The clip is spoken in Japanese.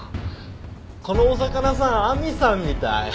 このお魚さん亜美さんみたい。